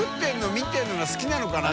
見てるのが好きなのかな？